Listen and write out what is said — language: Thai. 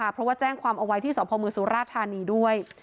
เพราะว่าแจ้งความเอาไว้ที่สพมสุราธานีด้วย